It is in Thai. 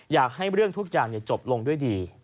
อยากให้เรื่องทุกอย่างจบลงด้วยดี